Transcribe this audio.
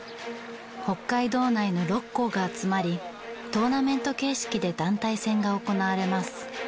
北海道内の６校が集まりトーナメント形式で団体戦が行われます。